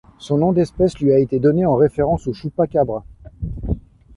Son nom d'espèce lui a été donné en référence au Chupacabra.